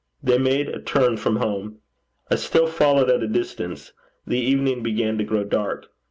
They made a turn from home. I still followed at a distance. The evening began to grow dark.